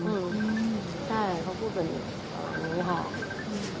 อืมใช่เขาพูดแบบนี้ค่ะ